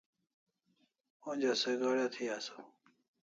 Onja se gada thi asaw